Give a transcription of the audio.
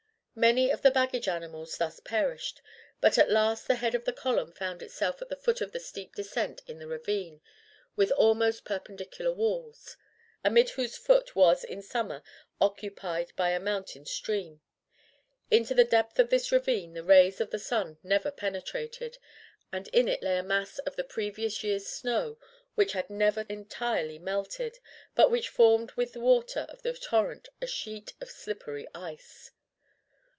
Many of the baggage animals thus perished; but at last the head of the column found itself at the foot of the steep descent in a ravine with almost perpendicular walls, amid whose foot was in summer occupied by a mountain stream. Into the depth of this ravine the rays of the sun never penetrated, and in it lay a mass of the previous year's snow which had never entirely melted, but which formed with the water of the torrent a sheet of slippery ice.